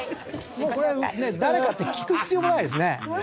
もうこれね誰かって聞く必要もないですね。